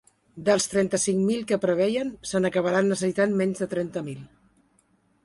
Dels trenta-cinc mil que preveien, se n’acabaran necessitant menys de trenta mil.